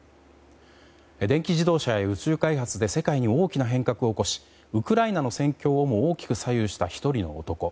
電気自動車や宇宙開発で世界に大きな変革を起こしウクライナの戦況をも大きく左右した１人の男。